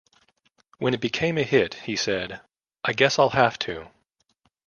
When it became a hit, he said: 'I guess I'll have to.